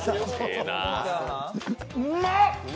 うんまっ！